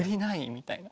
みたいな。